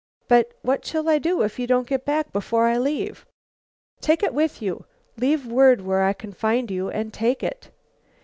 But what shall I do if you don't get back before I leave?" "Take it with you. Leave word where I can find you and take it."